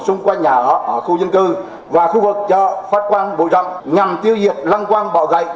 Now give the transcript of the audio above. xung quanh nhà ở khu dân cư và khu vực chợ phát quang bùi rậm nhằm tiêu diệt răng quang bọ gậy